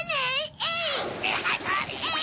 えい！